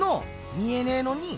見えねぇのに？